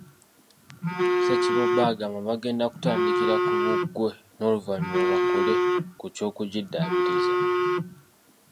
Ssekiboobo agamba bagenda kutandikra ku bbugwe n'oluvannyuma bakole ku ky'okugiddaabiriza.